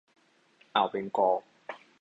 อ่าวเบงกอล